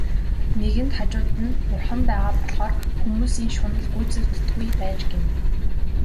Нэгэнт хажууд нь Бурхан байгаа болохоор хүмүүсийн шунал гүйцэгддэггүй байж гэнэ.